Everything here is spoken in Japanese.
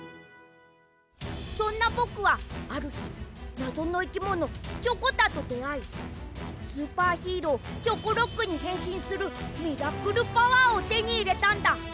そんなぼくはあるひなぞのいきものチョコタとであいスーパーヒーローチョコロックにへんしんするミラクルパワーをてにいれたんだ！